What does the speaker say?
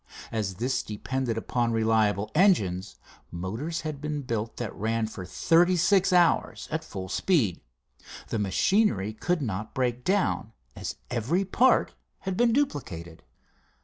As this depended upon reliable engines, motors had been built that ran for thirty six hours at full speed. The machinery could not break down, as every part had been duplicated.